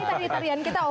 tadi tarian kita oke kan